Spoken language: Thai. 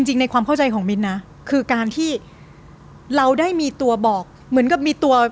ในความเข้าใจของมิ้นนะคือการที่เราได้มีตัวบอกเหมือนกับมีตัว